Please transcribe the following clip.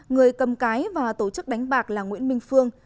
người cầm cái và tổ chức đánh bạc là nguyễn minh phương